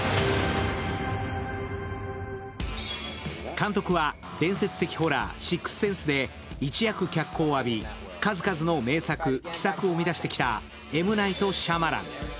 監督は伝説的ホラー、「シックス・センス」で一躍脚光を浴び、数々の名作、奇作を生み出してきたＭ・ナイト・シャマラン。